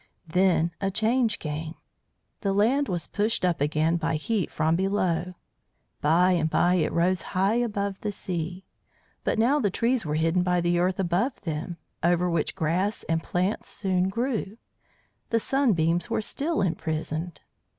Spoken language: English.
Then a change came. The land was pushed up again by heat from below; by and by it rose high above the sea. But now the trees were hidden by the earth above them, over which grass and plants soon grew. The Sunbeams were still imprisoned.